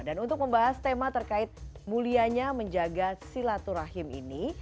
dan untuk membahas tema terkait mulianya menjaga silaturahim ini